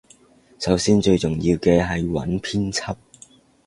首先最重要嘅係揾編輯